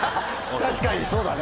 確かにそうだね。